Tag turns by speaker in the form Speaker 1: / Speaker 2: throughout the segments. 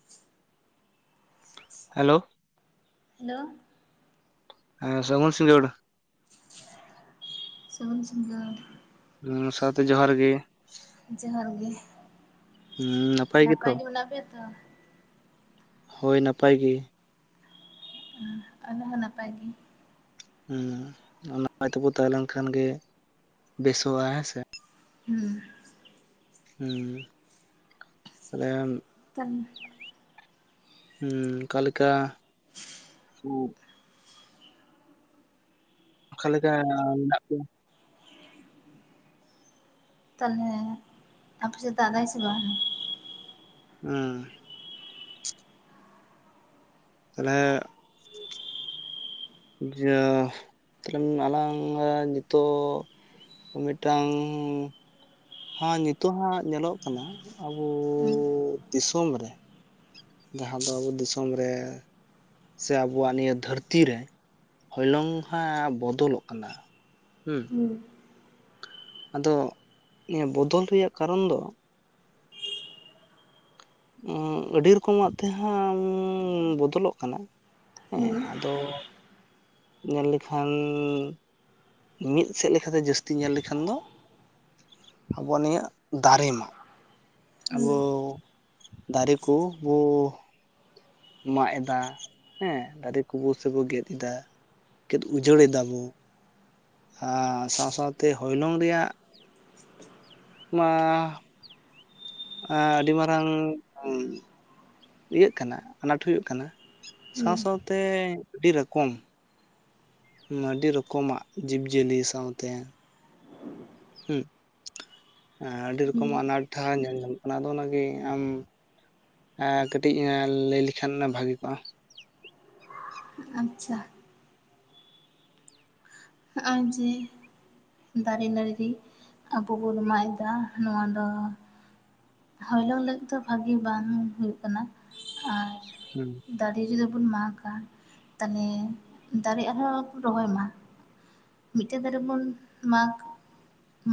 Speaker 1: [inaudible]
Speaker 2: Hello
Speaker 1: hello
Speaker 2: ᱦᱮ ᱥᱟᱹᱜᱩᱱ ᱥᱤᱜᱟᱹᱲ᱾
Speaker 1: ᱥᱟᱹᱜᱩᱱ ᱥᱤᱜᱟᱹᱲ᱾
Speaker 2: ᱚᱸᱻ ᱥᱟᱶᱛᱮ ᱡᱚᱦᱟᱨ ᱜᱮ᱾
Speaker 1: ᱡᱚᱦᱟᱨ ᱜᱮ᱾
Speaker 2: ᱩᱸᱻ ᱱᱟᱯᱟᱭ ᱜᱮᱛᱚ
Speaker 1: ᱜᱮ ᱢᱮᱱᱟᱜ ᱯᱮᱭᱟ ᱛᱚ?
Speaker 2: ᱦᱳᱭ ᱱᱟᱯᱟᱭ ᱜᱮ᱾
Speaker 1: ᱩᱸ ᱟᱞᱮ ᱦᱚᱸ ᱱᱟᱯᱟᱭ ᱜᱤ᱾
Speaker 2: ᱦᱩᱸ ᱱᱟᱯᱟᱭ ᱛᱮᱵᱚ ᱛᱟᱦᱮᱸᱞᱱ ᱠᱷᱟᱱ ᱜᱮ ᱵᱮᱥᱚᱜ-ᱟ ᱦᱮᱸ ᱥᱮ
Speaker 1: ᱦᱮᱸ
Speaker 2: ᱦᱮᱸ ᱛᱟᱦᱞᱮ
Speaker 1: ᱪᱟᱱ
Speaker 2: ᱦᱩᱸ ᱚᱱᱠᱟ ᱞᱮᱠᱟ᱾ ᱦᱚᱸᱜ ᱚᱠᱟ ᱞᱮᱠᱟ ᱢᱮᱱᱟᱜ ᱯᱮᱭᱟ?
Speaker 1: ᱛᱟᱞᱦᱮ ᱟᱯᱮ ᱥᱮᱜ ᱫᱟᱜ ᱮᱫᱟᱭ ᱥᱮ ᱵᱟᱝ?
Speaker 2: ᱮᱸᱻ᱾ ᱛᱟᱦᱚᱞᱮ ᱡᱟ ᱛᱟᱞᱮ ᱟᱞᱟᱝ ᱟᱸᱻ ᱧᱤᱛᱚᱜ ᱢᱤᱫᱴᱟᱝ ᱦᱟᱸ ᱧᱤᱛᱚᱜ ᱦᱟᱸᱜ ᱧᱮᱞᱚᱜ ᱠᱟᱱᱟ ᱟᱵᱩᱻ
Speaker 1: ᱦᱩᱸ
Speaker 2: ᱫᱤᱥᱚᱢ ᱨᱮ᱾ ᱡᱟᱦᱟᱸ ᱫᱚ ᱟᱵᱩ ᱫᱤᱥᱚᱢ ᱨᱮ ᱥᱮ ᱟᱵᱩᱣᱟᱜ ᱱᱤᱭᱟᱹ ᱫᱷᱟᱹᱨᱛᱤ ᱨᱮ ᱦᱚᱞᱚᱝ ᱦᱟᱸᱜ ᱵᱚᱫᱚᱞᱚᱜ ᱠᱟᱱᱟ ᱦᱩᱸ᱾ ᱟᱫᱚ ᱮᱸ ᱵᱚᱫᱚᱞ ᱨᱮᱭᱟᱜ ᱠᱟᱨᱚᱱ ᱫᱚ? ᱚ ᱟᱹᱰᱤ ᱨᱚᱠᱚᱢᱟᱜ ᱛᱮᱦᱟᱸᱜ ᱩᱸ ᱵᱚᱫᱚᱞᱚᱜ ᱠᱟᱱᱟ᱾ ᱦᱮᱸ
Speaker 1: ᱦᱩᱸ
Speaker 2: ᱟᱫᱚ ᱧᱮᱞ ᱞᱮᱠᱷᱟᱱᱼ ᱢᱤᱫ ᱥᱮᱫ ᱞᱮᱠᱟ ᱛᱮ ᱡᱟᱹᱥᱛᱤ ᱧᱮᱞ ᱞᱮᱠᱷᱟᱱ ᱫᱚ ᱟᱵᱚᱣᱟᱜ ᱱᱤᱭᱟᱹ ᱫᱟᱨᱮ ᱢᱟᱜ᱾ ᱟᱵᱚ ᱫᱟᱨᱮ ᱠᱩ ᱜᱚ᱾ ᱢᱟᱜ ᱮᱫᱟ ᱦᱮᱸ ᱫᱟᱨᱮ ᱚᱠᱥᱥᱚᱭᱩ ᱠᱚ ᱜᱮᱫ ᱮᱫᱟ ᱜᱮᱫ ᱩᱡᱟᱹᱲᱮᱫᱟ ᱵᱚ᱾ ᱟᱨ ᱥᱟᱶ ᱥᱟᱶᱛᱮ ᱦᱚᱭᱞᱚᱝ ᱨᱮᱭᱟᱜ ᱢᱟ᱾ ᱟᱻ ᱟᱹᱰᱤ ᱢᱟᱨᱟᱝ ᱩᱸᱻ ᱤᱭᱟᱹᱜ ᱠᱟᱱᱟ ᱟᱱᱟᱴ ᱦᱩᱭᱩᱜ ᱠᱟᱱᱟ᱾ ᱥᱟᱶ
Speaker 1: ᱦᱩᱸ ᱦᱩᱸ
Speaker 2: ᱥᱟᱶᱛᱮ ᱟᱹᱰᱤ ᱨᱚᱠᱚᱢ᱾ ᱩᱢᱻ ᱟᱹᱰᱤ ᱨᱚᱠᱚᱢᱟᱜ ᱡᱤᱵᱽ ᱡᱤᱭᱟᱹᱞᱤ ᱥᱟᱶᱛᱮ᱾ ᱦᱩᱸᱜ ᱮᱸ ᱟᱹᱰᱤ ᱨᱚᱠᱚᱢ
Speaker 1: ᱦᱩᱸ
Speaker 2: ᱟᱱᱟᱴ‌ ᱦᱟᱸᱜ ᱧᱮᱞ ᱧᱟᱢᱚᱜ ᱠᱟᱱᱟ ᱟᱫᱚ ᱚᱱᱟ ᱜᱮ ᱟᱢ ᱟᱨ ᱠᱟᱹᱴᱤᱡ ᱟᱸᱻᱞᱟᱹᱭ ᱞᱮᱠᱷᱟᱱ ᱵᱷᱟᱜᱤ ᱠᱚᱜ-ᱟ?
Speaker 1: ᱟᱪᱪᱷᱟ᱾ ᱦᱚᱸᱜ-ᱚᱭ ᱡᱮ᱾ ᱫᱟᱨᱮ ᱱᱟᱹᱲᱨᱤ ᱟᱵᱚ ᱵᱚᱱ ᱢᱟᱜ ᱮᱫᱟ ᱱᱚᱣᱟ ᱫᱚ᱾ ᱦᱚᱭᱞᱚᱝ ᱞᱟᱹᱜᱤᱫ ᱫᱚ ᱵᱷᱟᱜᱤ ᱵᱟᱝ ᱦᱩᱭᱩᱜ ᱠᱟᱱᱟ ᱟᱨ᱾
Speaker 2: ᱦᱩᱸ᱾
Speaker 1: ᱫᱟᱨᱮ ᱡᱩᱫᱤ ᱵᱚᱱ ᱢᱟᱠᱟ ᱛᱟᱞᱦᱮ ᱫᱟᱨᱮ ᱟᱨᱦᱚᱸ ᱠᱚ ᱨᱚᱦᱚᱭ ᱢᱟ᱾ ᱢᱤᱫᱴᱮᱱ ᱫᱟᱨᱮ ᱵᱚᱱ ᱢᱟᱠᱟᱼ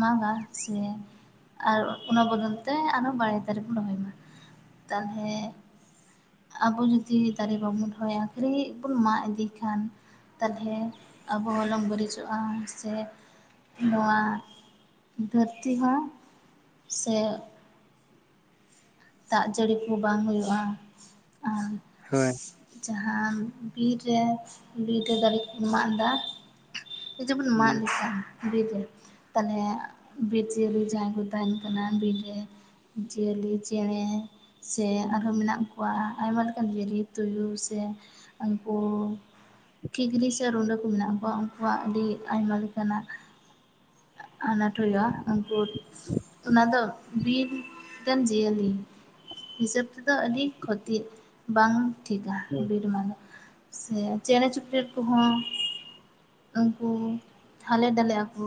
Speaker 1: ᱢᱟᱜᱟ ᱥᱮ ᱟᱨ ᱚᱱᱟ ᱵᱚᱫᱚᱞ ᱛᱮ ᱟᱨᱚᱼ ᱵᱟᱲᱮ ᱫᱟᱨᱮ ᱵᱚᱱ ᱨᱚᱦᱚᱭ ᱢᱟ ᱛᱟᱞᱦᱮᱼᱼ ᱟᱵᱚ ᱡᱩᱫᱤ ᱫᱟᱨᱮ ᱵᱟᱵᱚᱱ ᱨᱚᱦᱚᱭᱟ ᱠᱷᱟᱹᱨᱤ ᱵᱚᱱ ᱢᱟᱜ ᱤᱫᱤ ᱠᱷᱟᱱᱼᱼ ᱛᱟᱦᱚᱞᱮ ᱟᱵᱚ ᱦᱚᱞᱚᱝ ᱵᱟᱹᱤᱡᱚᱜ-ᱟ ᱥᱮ ᱱᱚᱣᱟᱼᱼ ᱫᱷᱟᱹᱨᱛᱤ ᱦᱚᱸ ᱥᱮᱼᱼ ᱫᱟᱜ ᱡᱟᱹᱲᱤ ᱠᱩ ᱵᱟᱝ ᱦᱩᱭᱩᱜ-ᱟ ᱟᱨᱼᱼ
Speaker 2: ᱦᱳᱭ
Speaker 1: ᱡᱟᱦᱟᱸ ᱵᱤᱨ ᱨᱮ ᱵᱤᱨ ᱨᱮ ᱫᱟᱨᱮ ᱠᱚ ᱵᱩ ᱢᱟᱜ ᱫᱟ ᱡᱩᱫᱤ ᱵᱩᱱ ᱢᱟᱜ ᱞᱮᱠᱷᱟᱱ ᱵᱤᱨ ᱨᱮ ᱛᱟᱦᱚᱞᱮ ᱵᱤᱨ ᱡᱤᱭᱟᱹᱞᱤ ᱡᱟᱦᱟᱸᱭ ᱠᱚ ᱛᱟᱦᱮᱱ ᱠᱟᱱᱟ ᱵᱤᱨ ᱨᱮ᱾ ᱡᱤᱭᱟᱹᱞᱤ᱾ ᱪᱮᱬᱮ ᱥᱮ ᱟᱨᱦᱚᱸ ᱢᱮᱱᱟᱜ ᱠᱚᱣᱟ ᱟᱭᱢᱟ ᱞᱮᱠᱟᱱ ᱡᱤᱭᱟᱹᱞᱤ ᱛᱩᱭᱩ ᱥᱮ᱾ ᱩᱱᱠᱚ ᱠᱷᱤᱠᱲᱤ ᱥᱮ ᱨᱩᱰᱟᱹ ᱠᱚ ᱢᱮᱱᱟᱜ ᱠᱚᱣᱟ ᱩᱱᱠᱩᱣᱟᱜ ᱟᱹᱰᱤ ᱟᱭᱢᱟ ᱞᱮᱠᱟᱱᱟᱜ ᱟᱱᱟᱴ ᱦᱩᱭᱩᱜᱼᱟ ᱩᱱᱠᱩ ᱚᱱᱟ ᱫᱚ ᱵᱤᱨ ᱨᱮᱱ ᱡᱤᱭᱟᱹᱞᱤ ᱦᱤᱥᱟᱹᱵᱽ ᱛᱮᱫᱚ ᱟᱹᱰᱤ ᱠᱷᱚᱛᱤ ᱵᱟᱝ ᱴᱷᱤᱠᱟ ᱵᱤᱨ ᱢᱟᱜ ᱟᱜ ᱥᱮ ᱪᱮᱬᱮ ᱪᱩᱯᱲᱤ ᱠᱚᱦᱚᱸ ᱩᱱᱠᱩᱼᱼ ᱦᱟᱞᱮ ᱰᱟᱞᱮᱜ ᱟᱠᱚ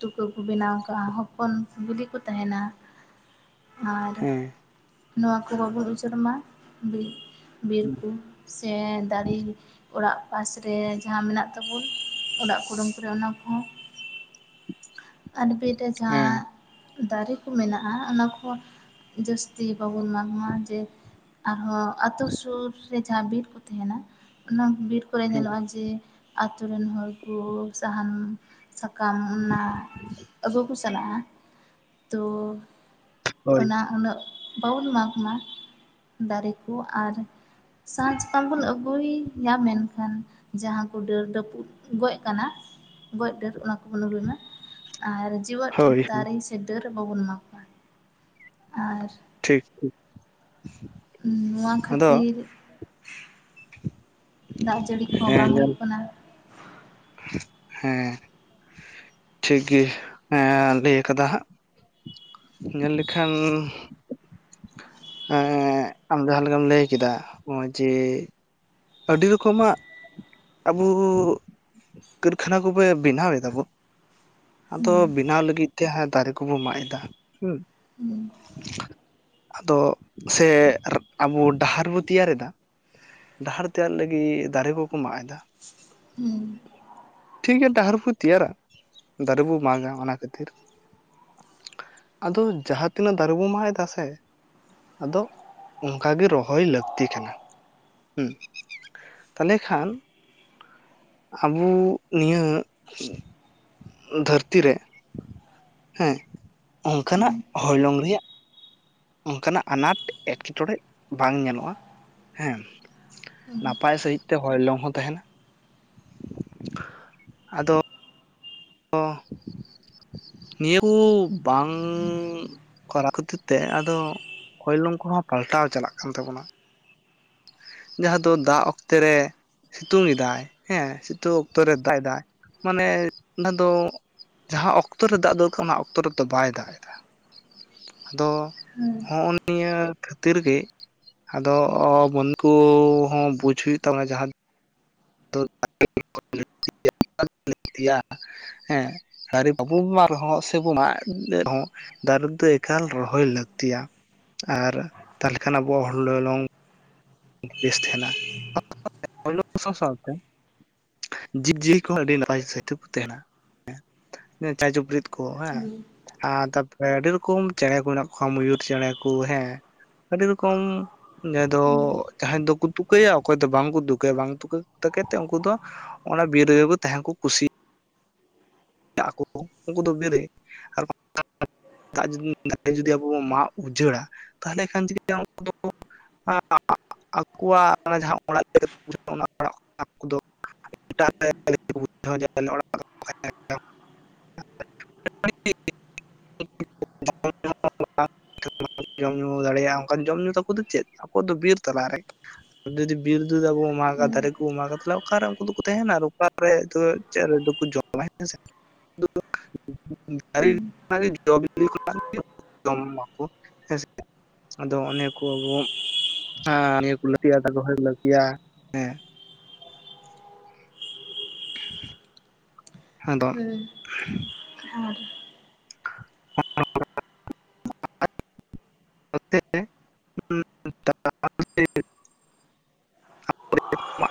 Speaker 1: ᱛᱩᱠᱟᱹ ᱠᱚ ᱵᱮᱱᱟᱣ ᱠᱟᱜ-ᱟ ᱦᱚᱯᱚᱱ ᱡᱩᱫᱤ ᱠᱚ ᱛᱟᱦᱮᱱᱟᱼᱼ ᱟᱨ
Speaker 2: ᱦᱮᱸ
Speaker 1: ᱱᱚᱣᱟ ᱠᱚ ᱵᱟᱵᱚᱱ ᱩᱡᱟᱹᱲ ᱢᱟ ᱵᱤᱨ ᱵᱤᱨᱠᱩ ᱥᱮ ᱫᱟᱨᱮ ᱚᱲᱟᱜ ᱯᱟᱥᱨᱮ ᱡᱟᱦᱟᱸ ᱢᱮᱱᱟᱜ ᱛᱟᱵᱚᱱ ᱚᱲᱟᱜ ᱠᱩᱰᱟᱹᱢ ᱠᱚᱨᱮ ᱚᱱᱟ ᱠᱚᱦᱚᱸ ᱟᱨ ᱵᱤᱨ ᱨᱮ
Speaker 2: ᱦᱮᱸ
Speaker 1: ᱡᱟᱦᱟᱸ ᱫᱟᱨᱮ ᱠᱚ ᱢᱮᱱᱟᱜᱼᱟ ᱚᱱᱟ ᱠᱚ ᱡᱟᱹᱥᱛᱤ ᱵᱟᱵᱚᱱ ᱢᱟᱜᱽ ᱢᱟ ᱡᱮ ᱟᱨᱦᱚᱸ ᱟᱹᱛᱩ ᱥᱩᱨ ᱨᱮ ᱡᱟᱦᱟᱸ ᱵᱤᱨ ᱠᱚ ᱛᱟᱸᱦᱮᱱᱟ ᱚᱱᱟ ᱠᱩ ᱵᱤᱨ ᱠᱚᱨᱮ ᱧᱮᱞᱚᱜᱼᱟ ᱡᱮ ᱟᱛᱳ ᱨᱮᱱ ᱦᱚᱲ ᱠᱚ ᱥᱟᱦᱟᱱ ᱥᱟᱠᱟᱢ ᱚᱱᱟ ᱠᱩ ᱪᱟᱞᱟᱜᱼᱟ ᱛᱚ
Speaker 2: ᱦᱳᱭ
Speaker 1: ᱚᱱᱟ ᱩᱱᱟᱹᱜ ᱵᱟᱵᱩᱱ ᱢᱟᱜᱽ ᱢᱟ ᱫᱟᱨᱮ ᱠᱚ ᱟᱨ ᱥᱟᱦᱟᱱ ᱥᱟᱠᱟᱢ ᱵᱚᱱ ᱟᱹᱜᱩᱭ ᱜᱮᱭᱟ ᱢᱮᱱᱠᱷᱟᱱ᱾ ᱡᱟᱦᱟᱸ ᱠᱚ ᱰᱟᱹᱨ ᱨᱟᱹᱯᱩᱫ ᱜᱚᱡᱽ ᱠᱟᱱᱟ ᱜᱚᱡᱽ ᱰᱟᱹᱨ ᱚᱱᱟ ᱠᱚᱵᱚᱱ ᱟᱹᱜᱩᱭ ᱢᱟ᱾ ᱟᱨ ᱡᱤᱣᱮᱫ
Speaker 2: ᱦᱳᱭ
Speaker 1: ᱫᱟᱨᱮ ᱥᱮ ᱰᱟᱹᱨ ᱵᱟᱵᱚᱱ ᱢᱟᱜᱢᱟ ᱟᱨ
Speaker 2: ᱴᱷᱤᱠ
Speaker 1: ᱱᱚᱣᱟ
Speaker 2: ᱟᱫᱚ
Speaker 1: ᱠᱷᱟᱹᱛᱤᱨ ᱫᱟᱜ ᱡᱟᱹᱲᱤ ᱠᱚᱦᱚᱸ
Speaker 2: ᱦᱮᱸ
Speaker 1: ᱵᱟᱝ
Speaker 2: ᱧᱮᱞ
Speaker 1: ᱦᱩᱭᱩᱜ ᱠᱟᱱᱟ᱾
Speaker 2: ᱦᱮᱸ ᱴᱷᱤᱠ ᱜᱮ ᱮᱸ ᱞᱟᱹᱭ ᱠᱟᱫᱟ ᱦᱟᱸᱜ᱾ ᱧᱮᱞ ᱞᱮᱠᱷᱟᱱ ᱮᱸ ᱟᱢ ᱡᱟᱦᱟᱸ ᱞᱮᱠᱟᱢ ᱞᱟᱹᱭ ᱠᱮᱫᱟ ᱱᱚᱜᱼᱚᱭ ᱡᱮ ᱟᱹᱰᱤ ᱨᱚᱠᱚᱢᱟᱜ ᱟᱵᱚ ᱠᱟᱹᱨᱠᱷᱟᱱᱟ ᱠᱚᱵᱮ ᱵᱮᱱᱟᱣ ᱮᱫᱟᱵᱚ᱾ ᱟᱫᱚ
Speaker 1: ᱦᱩᱸ
Speaker 2: ᱵᱮᱱᱟᱣ ᱞᱟᱹᱜᱤᱫ ᱛᱮ ᱦᱟᱸᱜ ᱫᱟᱨᱮ ᱠᱚᱵᱚᱱ ᱢᱟᱜ ᱮᱫᱟ ᱦᱮᱸ
Speaker 1: ᱦᱩᱸ
Speaker 2: ᱟᱫᱚ ᱥᱮ ᱟᱵᱚ ᱰᱟᱦᱟᱨ ᱵᱚ ᱛᱮᱭᱟᱨᱮᱫᱟ ᱰᱟᱦᱟᱨ ᱛᱮᱭᱟᱨ ᱞᱟᱹᱜᱤᱫ ᱫᱟᱨᱮ ᱠᱚᱠᱚ ᱢᱟᱜᱽ ᱮᱫᱟ᱾
Speaker 1: ᱦᱩᱸ
Speaker 2: ᱴᱷᱤᱠ ᱜᱮᱭᱟ ᱰᱟᱦᱟᱨ ᱠᱚ ᱛᱮᱭᱟᱨᱟ ᱾ ᱫᱟᱨᱮ ᱵᱚ ᱢᱟᱜᱟ ᱚᱱᱟ ᱠᱷᱟᱹᱛᱤᱨ᱾ ᱟᱫᱚ ᱡᱟᱦᱟᱸ ᱛᱤᱱᱟᱹᱜ ᱫᱟᱨᱮ ᱵᱚᱱ ᱢᱟᱜ ᱮᱫᱟ ᱥᱮ ᱟᱫᱚ ᱚᱱᱠᱟ ᱜᱮ ᱨᱚᱦᱚᱭ ᱞᱟᱹᱠᱛᱤ ᱠᱟᱱᱟ᱾ ᱦᱮᱸ ᱛᱟᱦᱚᱞᱮ ᱠᱷᱟᱱ ᱟᱵᱚ ᱱᱤᱭᱟᱹ ᱫᱷᱟᱹᱨᱛᱤ ᱨᱮ ᱦᱮᱸ
Speaker 1: ᱦᱩᱸ
Speaker 2: ᱚᱱᱠᱟᱱᱟᱜ ᱦᱚᱞᱚᱝ ᱨᱮᱭᱟᱜ ᱚᱱᱠᱟᱱᱟᱜ ᱟᱱᱟᱴ ᱮᱸᱴᱠᱮᱴᱚᱬᱮ ᱵᱟᱝ ᱧᱮᱞᱚᱜᱼᱟ ᱦᱮᱸ᱾
Speaker 1: ᱦᱩᱸ
Speaker 2: ᱱᱟᱯᱟᱭ ᱥᱟᱺᱦᱤᱡ ᱛᱮ ᱦᱚᱭᱞᱚᱝ ᱦᱚᱸ ᱛᱟᱦᱮᱱᱟ ᱟᱫᱚ ᱚ ᱱᱤᱭᱟᱹ ᱠᱚ ᱵᱟᱝ ᱠᱚᱨᱟᱣ ᱠᱷᱟᱹᱛᱤᱨ ᱛᱮ ᱟᱫᱚ᱾ ᱠᱚᱭᱞᱚᱝ ᱠᱚᱦᱚᱸ ᱯᱟᱞᱴᱟᱣ ᱪᱟᱞᱟᱜ ᱠᱟᱱ ᱛᱟᱵᱚᱱᱟ᱾ ᱡᱟᱦᱟᱸ ᱫᱚ ᱫᱟᱜᱽ ᱚᱠᱛᱮ ᱨᱮ ᱥᱤᱛᱩᱝ ᱮᱫᱟᱭ ᱦᱮᱸ ᱥᱤᱛᱩᱝ ᱚᱠᱛᱚ ᱨᱮᱭ ᱫᱟᱜ ᱮᱫᱟᱭ ᱢᱟᱱᱮ ᱚᱱᱟ ᱫᱚ ᱡᱟᱦᱟᱸ ᱚᱠᱛᱚ ᱨᱮ ᱫᱟᱜ ᱫᱚᱨᱠᱟᱨ ᱚᱱᱟ ᱚᱠᱛᱚ ᱨᱮᱫᱚ ᱵᱟᱭ ᱫᱟᱜ ᱮᱫᱟ ᱟᱫᱚ
Speaker 1: ᱦᱩᱸ
Speaker 2: ᱦᱚᱜᱼᱚᱭ ᱱᱤᱭᱟᱹ ᱠᱷᱟᱹᱛᱤᱨ ᱜᱮ ᱟᱫᱚ ᱩᱱᱠᱩ ᱦᱚᱸ ᱵᱩᱡᱽ ᱦᱩᱭᱩᱜ ᱛᱟᱵᱚᱱᱟ ᱡᱟᱦᱟᱸ [unintelligible] ᱫᱟᱨᱮ ᱵᱟᱵᱚ ᱢᱟᱜ ᱨᱮᱦᱚᱸ ᱥᱮᱵᱚ ᱢᱟᱜ ᱮᱫ ᱨᱮᱦᱚᱸ ᱫᱟᱨᱮ ᱫᱚ ᱮᱠᱟᱞ ᱨᱚᱦᱚᱭ ᱞᱟᱹᱠᱛᱤᱭᱟ ᱟᱨ ᱛᱟᱦᱚᱞᱮ ᱠᱷᱟᱱ ᱟᱵᱚᱣᱟᱜ [unintelligible] ᱵᱮᱥ ᱛᱟᱦᱮᱱᱟ ᱥᱟᱶᱛᱮ ᱡᱤᱵᱽᱼᱡᱤᱭᱟᱹᱞᱤ ᱠᱚᱦᱚᱸ ᱟᱹᱰᱤ ᱱᱟᱯᱟᱭ ᱥᱛᱮ ᱠᱚ ᱛᱟᱦᱮᱱᱟ ᱦᱮᱸ ᱪᱟᱭ ᱪᱩᱯᱨᱤᱫ ᱠᱚ ᱠᱚ ᱦᱮᱸ
Speaker 1: ᱦᱩᱸ
Speaker 2: ᱟ ᱛᱟᱯᱚᱨᱮ ᱟᱹᱰᱤ ᱨᱚᱠᱚᱢ ᱪᱮᱬᱮ ᱠᱚ ᱢᱮᱱᱟᱜ ᱠᱚᱣᱟ ᱢᱚᱭᱩᱨ ᱪᱮᱬᱮ ᱠᱚ ᱦᱮᱸ ᱟᱹᱰᱤ ᱨᱚᱠᱚᱢ ᱡᱟᱦᱟᱸᱭ ᱫᱚ ᱡᱟᱦᱟᱸᱭ ᱫᱚᱠᱚ ᱛᱩᱠᱟᱹᱭᱟ ᱚᱠᱚᱭ ᱫᱚ ᱵᱟᱝᱠᱚ ᱛᱩᱠᱟᱹᱭᱟ ᱵᱟᱝ ᱛᱩᱠᱟᱹ ᱛᱟᱠᱮ ᱛᱮ ᱩᱱᱠᱩ ᱫᱚ ᱚᱱᱟ ᱵᱤᱨ ᱨᱮ ᱠᱚ ᱛᱟᱦᱮᱸᱱ ᱠᱚ ᱠᱩᱥᱤᱭᱟᱜᱼᱟ ᱟᱠᱚ ᱩᱱᱠᱩ ᱫᱚ ᱵᱤᱨᱮ ᱟᱨ [unintelligible] ᱫᱟᱜ ᱫᱟᱨᱮ ᱡᱩᱫᱤ ᱟᱵᱚ ᱵᱚᱱ ᱢᱟᱜ ᱩᱡᱟᱹᱲᱟ ᱛᱟᱦᱚᱞᱮ ᱠᱷᱟᱱ ᱡᱩᱫᱤ [inaudible] [inaudible] ᱟᱠᱚᱣᱟᱜ ᱡᱟᱦᱟᱸ ᱚᱲᱟᱜ ᱟᱜ ᱮᱟᱜᱷᱟᱹᱣᱟ ᱚᱲᱟᱜ [unintelligible] [unintelligible] [unintelligible] [unintelligible] ᱡᱚᱢ ᱧᱩ ᱫᱟᱲᱮᱭᱟᱜᱼᱟ ᱚᱱᱠᱟᱱ ᱡᱚᱢ ᱧᱩ ᱛᱟᱠᱚ ᱫᱚ ᱪᱮᱫ ᱟᱠᱚ ᱫᱚ ᱵᱤᱨ ᱛᱟᱞᱟᱨᱮ ᱡᱩᱫᱤ ᱵᱤᱨ ᱡᱩᱫᱤ ᱟᱵᱚ ᱵᱚ ᱢᱟᱜᱟ
Speaker 1: ᱦᱩᱸ
Speaker 2: ᱫᱟᱨᱮ ᱠᱚ ᱢᱟᱜᱟ ᱛᱟᱦᱞᱮ ᱚᱠᱟᱨᱮ ᱩᱱᱠᱩ ᱫᱚᱠᱚ ᱛᱮᱦᱮᱱᱟ ᱟᱨ ᱚᱠᱟᱨᱮ ᱪᱮᱫ ᱨᱮᱫᱚᱠᱚ ᱡᱚᱢᱟ ᱦᱮᱸ ᱥᱮ [unintelligible]
Speaker 1: ᱦᱩᱸ
Speaker 2: ᱟᱫᱚ ᱚᱱᱤᱭᱟᱹ ᱠᱚ ᱟᱵᱚ ᱱᱤᱭᱟᱹ ᱠᱚ ᱞᱟᱹᱠᱛᱜᱤᱭᱟ ᱫᱚᱦᱚᱭ ᱞᱟᱹᱠᱛᱤᱭᱟ ᱦᱮᱸ [inaudible]
Speaker 1: ᱦᱮᱸ ᱟᱨ
Speaker 2: [unintelligible] [unintelligible] [unintelligible]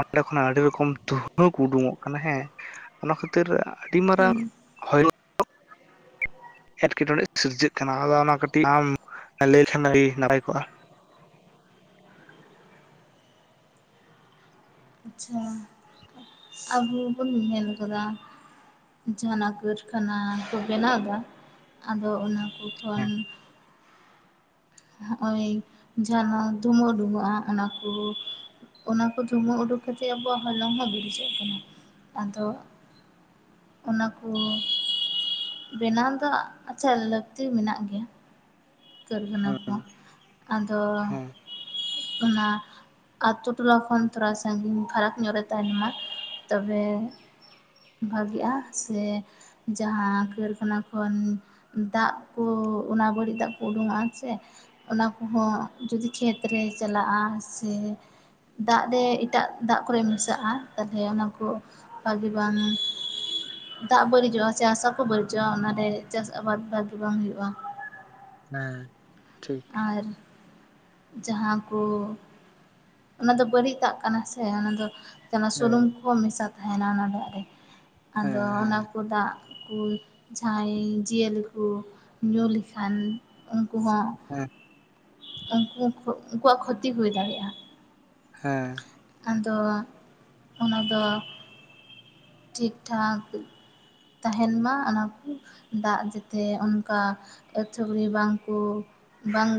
Speaker 2: ᱚᱸᱰᱮ ᱠᱷᱚᱱᱟᱜ ᱟᱹᱰᱤ ᱨᱚᱠᱚᱢ ᱫᱷᱩᱦᱟᱹ ᱠᱚ ᱩᱰᱩᱠᱚᱜ ᱠᱟᱱᱟ ᱦᱮᱸ ᱚᱱᱟ ᱠᱷᱟᱹᱛᱤᱨ ᱟᱹᱰᱤ
Speaker 1: ᱦᱩᱸ
Speaker 2: ᱢᱟᱨᱟᱝ ᱦᱚᱭᱚ ᱮᱴᱠᱮᱴᱚᱬᱮ ᱥᱤᱨᱡᱟᱹᱜ ᱠᱟᱱᱟ ᱟᱫᱚ ᱚᱱᱟ ᱠᱟᱹᱴᱤᱡ ᱟᱢ ᱞᱟᱹᱭ ᱞᱮᱠᱷᱟᱱ ᱟᱹᱰᱤ ᱱᱟᱯᱟᱭ ᱠᱚᱜᱼᱟ
Speaker 1: ᱟᱪᱪᱷᱟ ᱟᱵᱚ ᱵᱚᱱ ᱧᱮᱞ ᱠᱟᱫᱟ ᱡᱟᱦᱟᱱᱟᱜ ᱠᱟᱹᱨᱠᱷᱟᱱᱟ ᱠᱚ ᱵᱮᱱᱟᱣᱫᱟ ᱟᱫᱚ ᱚᱱᱟ ᱠᱚ ᱠᱷᱚᱱ
Speaker 2: ᱦᱮᱸ
Speaker 1: ᱱᱚᱜᱼᱚᱭ ᱡᱟᱦᱟᱸᱱᱟᱜ ᱫᱷᱩᱢᱟᱹᱰᱩᱵᱚᱜᱼᱟ ᱚᱱᱟ ᱠᱚ ᱚᱱᱟ ᱠᱚ ᱫᱷᱩᱢᱟᱹ ᱩᱰᱩᱠ ᱠᱟᱛᱮᱫ ᱟᱵᱚᱣᱟᱜ ᱦᱚᱞᱚᱝ ᱦᱚᱸ ᱵᱟᱹᱲᱤᱡᱚᱜ ᱠᱟᱱᱟ ᱟᱫᱚ ᱚᱱᱟ ᱠᱚ ᱵᱮᱱᱟᱣ ᱫᱚ ᱟᱪᱪᱷᱟ ᱞᱟᱹᱠᱛᱤ ᱢᱮᱱᱟᱜ ᱜᱮᱭᱟ ᱠᱟᱹᱨᱜᱷᱟᱱᱟ ᱠᱚ
Speaker 2: ᱦᱮᱸ
Speaker 1: ᱟᱫᱚ
Speaker 2: ᱦᱮᱸ
Speaker 1: ᱚᱱᱟ ᱟᱛᱳ ᱴᱚᱞᱟ ᱠᱷᱚᱱ ᱛᱷᱚᱲᱟ ᱥᱟᱺᱜᱤᱧ ᱯᱷᱟᱨᱟᱠ ᱧᱚᱜ ᱨᱮ ᱛᱟᱦᱮᱱ ᱢᱟ ᱛᱚᱵᱮ ᱵᱷᱟᱜᱤᱮᱜᱼᱟ ᱥᱮ ᱡᱟᱦᱟᱸ ᱠᱟᱹᱨᱠᱷᱟᱱᱟ ᱠᱷᱚᱱ ᱫᱟᱜ ᱠᱚ ᱚᱱᱟ ᱵᱟᱹᱲᱤᱡ ᱫᱟᱜ ᱩᱰᱩᱝᱚᱜᱼᱟ ᱥᱮ ᱚᱱᱟ ᱠᱚᱦᱚᱸ ᱡᱩᱫᱤ ᱠᱷᱮᱛ ᱨᱮ ᱪᱟᱞᱟᱜᱼᱟ ᱥᱮ ᱫᱟᱜ ᱨᱮ ᱮᱴᱟᱜ ᱫᱟᱜ ᱠᱚᱨᱮ ᱢᱮᱥᱟᱜᱼᱟ ᱛᱟᱞᱚᱦᱮ ᱚᱱᱟᱠᱚ ᱯᱵᱤᱵᱟᱱ [unintelligible] ᱫᱟᱜ ᱵᱟᱹᱲᱤᱡᱚᱜᱼᱟ ᱦᱟᱥᱟ ᱠᱚ ᱵᱟᱹᱲᱤᱡᱚᱜᱼᱟ ᱚᱱᱟᱨᱮ ᱪᱟᱥ ᱟᱵᱟᱫᱽ ᱵᱷᱟᱜᱤ ᱵᱟᱝ ᱦᱩᱭᱩᱜᱼᱟ
Speaker 2: ᱦᱮᱸ ᱴᱷᱤᱠ
Speaker 1: ᱟᱨ ᱡᱟᱦᱟᱸ ᱠᱚ ᱚᱱᱟᱫᱚ ᱵᱟᱹᱲᱤᱡ ᱫᱟᱜ ᱠᱟᱱᱟ ᱥᱮ ᱚᱱᱟᱫᱚ
Speaker 2: ᱦᱮᱸ
Speaker 1: ᱥᱩᱱᱩᱢ ᱠᱚᱦᱚᱸ ᱢᱮᱥᱟ ᱛᱟᱦᱮᱱᱟ ᱚᱱᱟ ᱫᱟᱜ ᱨᱮ
Speaker 2: ᱦᱮᱸ
Speaker 1: ᱟᱫᱚ
Speaker 2: ᱦᱮᱸ
Speaker 1: ᱚᱱᱟ
Speaker 2: ᱦᱮᱸ
Speaker 1: ᱠᱚ ᱫᱟᱜ ᱠᱩ ᱡᱟᱦᱟᱸᱭ ᱡᱤᱭᱟᱹᱞᱤ ᱠᱩ ᱧᱩ ᱞᱮᱠᱷᱟᱱ ᱩᱱᱠᱩ ᱦᱚᱸ
Speaker 2: ᱦᱮᱸ
Speaker 1: ᱩᱱᱠᱩ ᱩᱱᱠᱩᱣᱟᱜ ᱠᱷᱚᱛᱤ ᱦᱩᱭ ᱫᱟᱲᱮᱭᱟᱜᱼᱟ
Speaker 2: ᱦᱮᱸ
Speaker 1: ᱟᱫᱚ ᱚᱱᱟᱫᱚ ᱴᱷᱤᱠ ᱴᱷᱟᱠ ᱛᱟᱦᱮᱱ ᱢᱟ ᱚᱱᱟ ᱠᱚ ᱫᱟᱜ ᱡᱟᱛᱮ ᱚᱱᱠᱟ ᱟᱹᱛᱷᱟᱹᱣᱲᱤ ᱵᱟᱝᱠᱚ ᱵᱟᱝ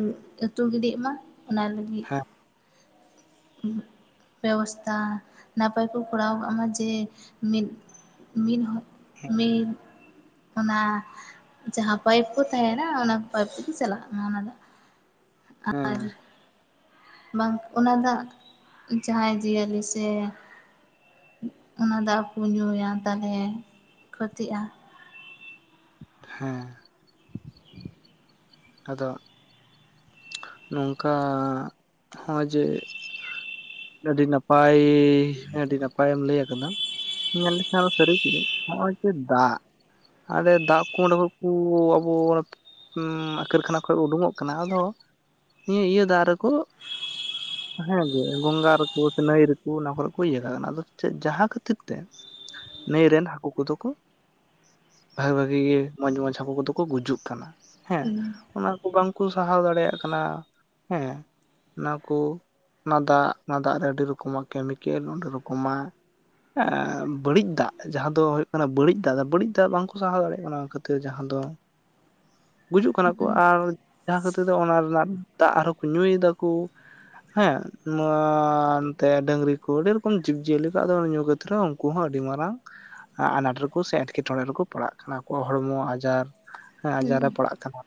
Speaker 1: ᱟᱹᱛᱩ ᱜᱤᱰᱤᱜ ᱢᱟ ᱚᱱᱟ ᱞᱟᱹᱜᱤᱫ
Speaker 2: [unintelligible]
Speaker 1: ᱵᱮᱵᱚᱥᱛᱷᱟ ᱱᱟᱯᱟᱭ ᱠᱚ ᱠᱚᱨᱟᱣ ᱠᱟᱜ ᱢᱟ ᱡᱮ ᱢᱤᱫ ᱢᱤᱫ ᱦᱚᱸ ᱢᱤᱫ ᱚᱱᱟ ᱡᱟᱦᱟᱸ ᱯᱟᱭᱤᱯ ᱠᱚ ᱛᱟᱦᱮᱱᱟ ᱚᱱᱟ ᱯᱟᱭᱤᱯ ᱛᱮᱜᱮ ᱪᱟᱞᱟᱜ ᱢᱟ ᱚᱱᱟ ᱫᱚ
Speaker 2: ᱦᱮᱸ
Speaker 1: ᱟᱨ ᱵᱟᱝ ᱚᱱᱟ ᱫᱟᱜ ᱡᱟᱦᱟᱸᱭ ᱡᱤᱭᱟᱹᱞᱤ ᱥᱮ ᱚᱱᱟ ᱫᱟᱜ ᱠᱚ ᱧᱩᱭᱟ ᱛᱟᱦᱞᱮ ᱠᱷᱚᱛᱤᱜᱼᱟ
Speaker 2: ᱦᱮᱸ ᱟᱫᱚ ᱱᱚᱝᱠᱟ ᱦᱚᱸ ᱡᱮ ᱟᱹᱰᱤ ᱱᱟᱯᱟᱭ ᱟᱹᱰᱤ ᱱᱟᱯᱟᱭᱮᱢ ᱞᱟᱹᱭ ᱟᱠᱟᱫᱟ᱾ ᱢᱮᱱ‌ ᱞᱮᱠᱷᱟᱱ ᱥᱟᱹᱨᱤ ᱜᱮ ᱱᱚᱜ-ᱚᱭ ᱡᱮ ᱫᱟᱜ ᱟᱞᱮ ᱫᱟᱜ ᱠᱚ ᱚᱸᱰᱮ ᱠᱷᱚᱡ ᱠᱩ ᱟᱵᱚ ᱦᱢ ᱠᱟᱹᱨᱠᱷᱟᱱᱟ ᱠᱷᱚᱡ ᱩᱰᱩᱠᱚᱜ ᱠᱟᱱᱟ ᱟᱫᱚ ᱱᱤ-ᱤᱭᱟᱹ ᱫᱟᱜ ᱨᱮ ᱠᱚ
Speaker 1: [unintelligible]
Speaker 2: ᱦᱮᱸ ᱜᱮ ᱜᱚᱸᱝᱜᱟ ᱨᱮᱠᱚ ᱥᱮ ᱱᱟᱹᱭ ᱨᱮᱠᱚ ᱚᱱᱟ ᱠᱚᱨᱮ ᱠᱚ ᱤᱭᱟᱹ ᱠᱟᱜ ᱠᱟᱱᱟ ᱟᱫᱚ ᱪᱮᱫ ᱡᱟᱦᱟᱸ ᱠᱷᱟᱹᱛᱤᱨ ᱛᱮ ᱱᱟᱹᱭ ᱨᱮᱱ ᱦᱟᱹᱠᱩ ᱠᱚᱫᱚ ᱠᱚ ᱵᱷᱟᱜᱤ ᱵᱷᱟᱜᱤ ᱜᱮ ᱢᱚᱸᱡᱽ ᱢᱚᱸᱡᱽ ᱦᱟᱹᱠᱩ ᱠᱚᱫᱚ ᱠᱚ ᱜᱩᱡᱩᱜ ᱠᱟᱱᱟ ᱦᱮᱸ ᱚᱱᱟ ᱠᱚ ᱵᱟᱝᱠᱚ ᱥᱟᱦᱟᱣ ᱫᱟᱲᱮᱭᱟᱜ ᱠᱟᱱᱟ ᱦᱮᱸ ᱚᱱᱟ ᱠᱚ ᱚᱱᱟ ᱫᱟᱜ ᱚᱱᱟ ᱫᱟᱜ ᱨᱮ ᱟᱹᱰᱤ ᱨᱚᱠᱚᱢᱟᱜ ᱠᱮᱢᱤᱠᱮᱞ ᱚᱸᱰᱮ ᱨᱚᱠᱚᱢᱟᱜ ᱵᱟᱹᱲᱤᱡ ᱫᱟᱜ ᱡᱟᱦᱟᱸ ᱫᱚ ᱦᱩᱭᱩᱜ ᱠᱟᱱᱟ ᱵᱟᱹᱲᱤᱡ ᱫᱟᱜ ᱵᱟᱹᱲᱤᱡ ᱫᱟᱜ ᱵᱟᱝᱠᱚ ᱥᱟᱦᱟᱣ ᱫᱟᱲᱮᱭᱟᱜ ᱠᱟᱱᱟ ᱚᱱᱟ ᱠᱷᱟᱹᱛᱮᱤᱨ ᱡᱟᱦᱟᱸ ᱫᱚ
Speaker 1: [inaudible]
Speaker 2: ᱜᱩᱡᱩᱜ ᱠᱟᱱᱟ ᱠᱚ
Speaker 1: ᱦᱮᱸ
Speaker 2: ᱟᱨ ᱡᱟᱦᱟᱸ ᱠᱷᱟᱹᱛᱤᱨ ᱛᱮ ᱚᱱᱟ ᱨᱮᱱᱟᱜ ᱫᱟᱜ ᱟᱨᱦᱚᱸ ᱠᱚ ᱧᱩᱭ ᱮᱫᱟᱠᱚ᱾ ᱦᱮᱸ ᱱᱚᱣᱟ ᱮᱱᱛᱮ ᱰᱟᱝᱨᱤ ᱠᱚ ᱟᱹᱰᱤ ᱰᱷᱮᱨᱠᱷᱚᱱ ᱡᱤᱵ-ᱡᱤᱭᱟᱹᱞᱤ ᱠᱚ ᱟᱫᱚ ᱧᱩ ᱠᱟᱛᱮᱜ ᱛᱚ ᱩᱱᱠᱩ ᱦᱚᱸ ᱟᱹᱰᱤ ᱢᱟᱨᱟᱝ ᱟᱱᱟᱴ ᱨᱮᱠᱚ ᱥᱮ ᱮᱸᱴᱠᱮᱴᱚᱬᱮ ᱨᱮᱠᱚ ᱯᱟᱲᱟᱜ ᱠᱟᱱᱟ ᱟᱠᱚᱣᱟᱜ ᱦᱚᱲᱢᱚ ᱟᱡᱟᱨ ᱦᱮᱸ ᱟᱡᱟᱨ ᱨᱮ ᱯᱟᱲᱟᱜ ᱠᱟᱱᱟ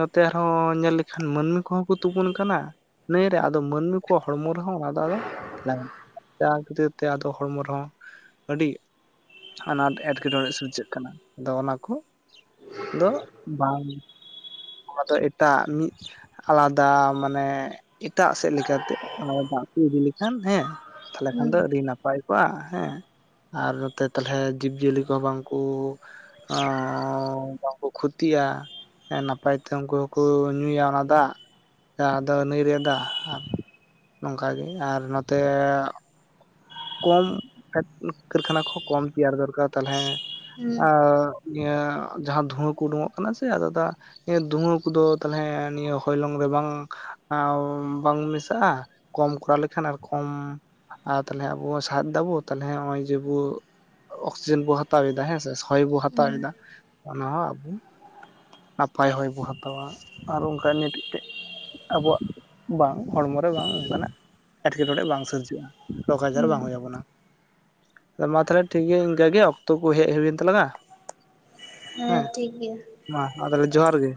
Speaker 2: ᱱᱚᱛᱮ ᱟᱨᱦᱚᱸ ᱧᱮᱞ ᱞᱮᱠᱷᱟᱱ ᱢᱟᱹᱱᱢᱤ ᱠᱚᱦᱚᱸ ᱠᱚ ᱛᱩᱯᱩᱱ ᱠᱟᱱᱟ᱾ ᱱᱟᱹᱭ ᱨᱮ ᱟᱫᱚ ᱢᱟᱹᱱᱢᱤ ᱠᱚᱣᱟᱜ ᱦᱚᱲᱢᱚ ᱨᱮᱦᱚᱸ ᱚᱱᱟ ᱫᱚ ᱟᱫᱟ ᱮᱞᱟᱝ ᱡᱟᱦᱟᱸ ᱠᱷᱟᱹᱛᱤᱨ ᱛᱮ ᱟᱫᱚ ᱦᱚᱲᱢᱚ ᱨᱮᱦᱚᱸ ᱟᱹᱰᱤ ᱟᱱᱟᱴ ᱮᱴᱠᱮᱴᱚᱬᱮ ᱥᱤᱨᱡᱟᱹᱜ ᱠᱟᱱᱟ ᱟᱫᱚ ᱚᱱᱟ ᱠᱚ ᱫᱚ ᱵᱟᱝ ᱚᱱᱟ ᱫᱚ ᱮᱴᱟᱜ ᱢᱤᱫ ᱟᱞᱟᱫᱟ ᱢᱟᱱᱮ ᱮᱴᱟᱜ ᱥᱮᱫ ᱞᱮᱠᱟᱛᱮ ᱚᱱᱟ ᱫᱟᱜ ᱠᱚ ᱤᱫᱤ ᱞᱮᱠᱷᱟᱱ ᱦᱮᱸ ᱛᱟᱦᱞᱮ ᱠᱷᱟᱱ ᱫᱚ
Speaker 1: ᱦᱮᱸ
Speaker 2: ᱟᱹᱰᱤ ᱱᱟᱯᱟᱭ ᱠᱚᱜᱼᱟ ᱦᱮᱸ ᱟᱨ ᱱᱚᱛᱮ ᱛᱟᱞᱦᱮ ᱡᱤᱵᱽ-ᱡᱤᱭᱟᱹᱞᱤ ᱠᱚᱦᱚᱸ ᱵᱟᱝᱠᱚ ᱚᱸᱻ ᱵᱟᱝᱠᱚ ᱠᱷᱚᱛᱤᱭᱟ ᱮᱸ ᱱᱟ ᱱᱟᱯᱟᱭ ᱛᱮ ᱩᱱᱠᱩ ᱦᱚᱠᱚᱸ ᱧᱩᱭᱟ ᱚᱱᱟ ᱫᱟᱜ᱾ ᱡᱟᱦᱟᱸ ᱫᱚ ᱱᱟᱹᱭ ᱨᱮᱭᱟᱜ ᱫᱟᱜ ᱟᱨ ᱱᱚᱝᱠᱟ ᱜᱮ ᱟᱨ ᱱᱚᱛᱮ ᱠᱚᱢ ᱠᱟᱹᱨᱠᱷᱟᱱᱟ ᱠᱚᱦᱚᱸ ᱠᱚᱢ ᱛᱮᱭᱟᱨ ᱫᱚᱨᱠᱟᱨ ᱛᱟᱞᱦᱮ
Speaker 1: ᱦᱮᱸ
Speaker 2: ᱟᱨ ᱱᱤᱭᱟᱹ ᱡᱟᱦᱟᱸ ᱫᱷᱩᱣᱟᱹ ᱠᱚ ᱩᱰᱩᱠᱚᱜ ᱠᱟᱱᱟ ᱥᱮ ᱟᱫᱚ ᱫᱟᱜ ᱫᱷᱩᱣᱟᱹ ᱠᱚᱫᱚ ᱛᱟᱞᱦᱮ ᱱᱤᱭᱟᱹ ᱦᱚᱭᱞᱚᱝ ᱨᱮ ᱵᱟᱝ ᱵᱟᱝ ᱢᱮᱥᱟᱜᱼᱟ? ᱠᱚᱢ ᱠᱚᱨᱟᱣ ᱞᱮᱠᱷᱟᱱ ᱟᱨ ᱠᱚᱢ ᱛᱟᱞᱦᱮ ᱟᱵᱚ ᱥᱟᱦᱮᱫ ᱮᱫᱟᱵᱚ ᱛᱟᱞᱦᱮ ᱱᱚᱜ ᱚᱭ ᱡᱮᱵᱚ ᱚᱠᱥᱤᱡᱮᱱ ᱵᱚ ᱦᱟᱛᱟᱣ ᱮᱫᱟ ᱦᱮᱸᱥᱮ ᱦᱚᱭ ᱵᱚ ᱦᱟᱛᱟᱣᱮᱫᱟ ᱚᱱᱟ ᱦᱚᱸ ᱟᱵᱚ ᱱᱟᱯᱟᱭ ᱦᱚᱭ ᱵᱚ ᱦᱟᱛᱟᱣᱟ ᱟᱨ ᱚᱱᱠᱟ ᱜᱤ ᱴᱤᱫᱴᱮᱡ ᱟᱵᱚᱣᱟᱜ ᱵᱟᱝ ᱦᱚᱲᱢᱚ ᱨᱮ ᱵᱟᱝ ᱚᱱᱠᱟᱱᱟᱜ ᱮᱴᱠᱮᱴᱚᱬᱮ ᱵᱟᱝ ᱥᱤᱨᱡᱟᱹᱜ-ᱟ᱾ ᱨᱳᱜ ᱟᱡᱟᱨ
Speaker 1: ᱦᱮᱸ
Speaker 2: ᱵᱟᱝ ᱦᱩᱭ ᱟᱵᱚᱱᱟ᱾ ᱟᱫᱚ ᱢᱟ ᱛᱷᱟᱞᱮ ᱴᱷᱤᱠᱜ ᱜᱮᱭᱟ ᱤᱱᱠᱟᱹ ᱜᱮ ᱚᱠᱛᱚ ᱠᱚ ᱦᱮᱡ ᱦᱩᱭᱮᱱ ᱛᱟᱞᱟᱝᱟ᱾
Speaker 1: ᱦᱮᱸ ᱴᱷᱤᱠ ᱜᱮᱭᱟ᱾
Speaker 2: ᱢᱟ ᱟᱫᱚᱞᱮ ᱡᱚᱦᱟᱨ ᱜᱮ᱾